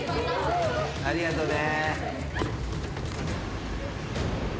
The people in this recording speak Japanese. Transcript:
ありがとね。